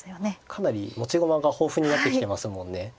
かなり持ち駒が豊富になってきてますもんね。